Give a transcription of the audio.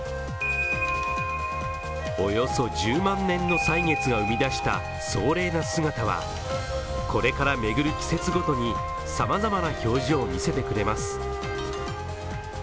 およそ１０万年の歳月が生み出した壮麗な姿は、これから巡る季節ごとに様々な表情を見せてくれます。